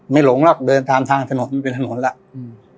ไม่หลงหรอกเดินตามทางถนนไม่เป็นถนนละผม